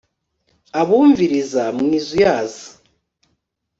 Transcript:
abumviriza mwizuyaza